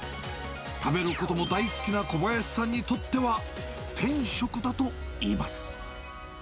食べることも大好きな小林さんにとっては、天職だといいます。